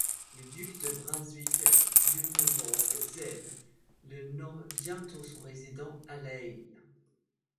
Le duc de Brunswick-Lünebourg-Zell le nomme bientôt son résident à La Haye.